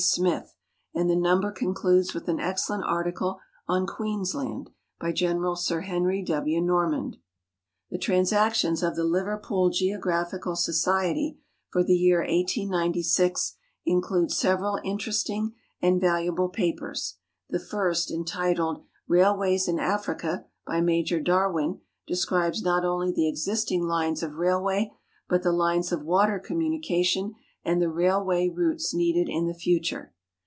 Smith, and the number concludes with an excellent article on Queensland, by General Sir Henry W. Norman. The Transactions of the Liverpool Geographical Society for the year 1896 include several interesting and valuable papers. The tirst, entitled " Rail ways in Africa," by Major Darwin, describes not only the existing lines of railway, but the lines of water communication and the railway routes needed in the future.